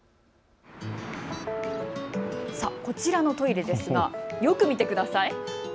こちらのトイレですが、よく見てください。